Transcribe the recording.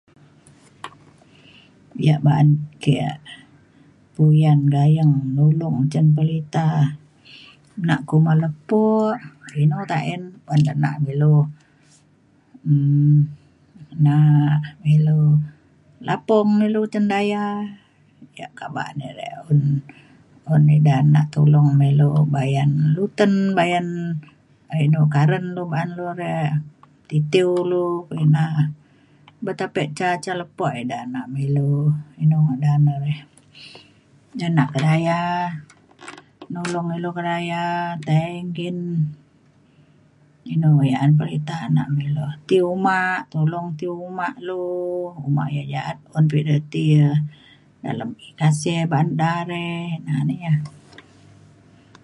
yak ba’an ke re puyan gayeng nulong cin pelita nak kuma lepo inu ta’en un de nak ilu um nak ilu lapung ilu cin daya yak kak ba’an de re un un ida nak tulong me ilu bayan luten bayan inu karen lu ba’an lu re titiu ulu ina. ba tapek ca ca lepo ida nak me ilu inu ngadan ne re ja nak kedaya nulong ilu kedaya tai nggin inu yak an perita nak me ilu. ti uma tolong ti uma lu. uma yak ja’at un pa ida ti ya dalem kasih ba’an da re ina na ya.